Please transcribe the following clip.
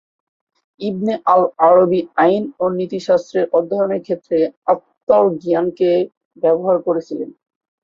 ইবনে al Arabi আইন ও নীতিশাস্ত্রের অধ্যয়নের ক্ষেত্রে আত্মার জ্ঞানকে ব্যবহার করেছিলেন।